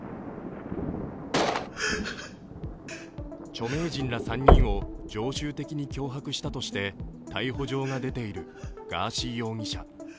著名人ら３人を常習的に脅迫したとして、逮捕状が出ているガーシー容疑者。